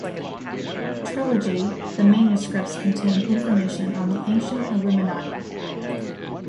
Trilogy, the Manuscripts contain information on the ancient Illuminati.